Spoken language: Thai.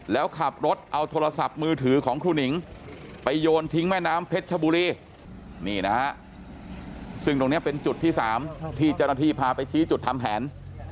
แล้วขับรถเอาโทรศัพท์มือถือของครูหนิงไปโยนทิ้งแม่น้ำเพชรชบุรีนี่นะฮะซึ่งตรงนี้เป็นจุดที่๓ที่เจ้าหน้าที่พาไปชี้จุดทำแผน